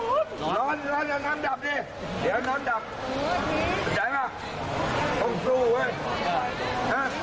โอเคพ่อไม่ต้องห่วงไม่ต้องห่วงหนูจะดูแลแม่ให้ดี